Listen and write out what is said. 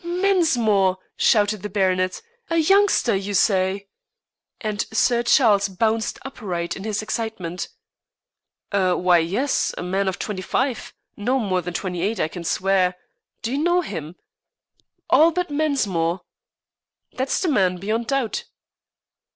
"Mensmore!" shouted the baronet. "A youngster, you say?" and Sir Charles bounced upright in his excitement. "Why, yes, a man of twenty five. No more than twenty eight, I can swear. Do you know him?" "Albert Mensmore?" "That's the man beyond doubt."